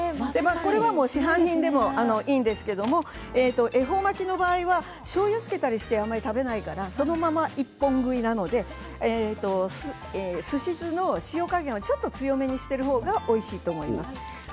これは市販品でもいいんですけど恵方巻きの場合はしょうゆをつけたりしてあまり食べないからそのまま１本食いなのですし酢の塩加減もうちょっと強めにしている方がおいしいと思います。